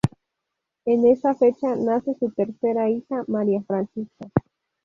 En esa fecha nace su tercera hija; María Francisca.